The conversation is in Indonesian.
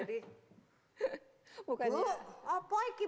itu kan jadi